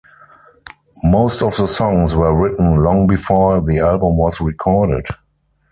Most of the songs were written long before the album was recorded.